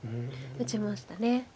打ちましたね。